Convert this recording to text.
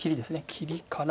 切りから。